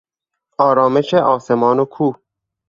آرامش آسمان و کوه